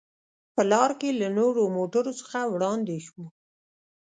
په لار کې له نورو موټرو څخه وړاندې شوو.